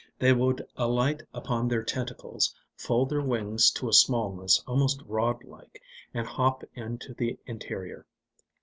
They would alight upon their tentacles, fold their wings to a smallness almost rod like, and hop into the interior.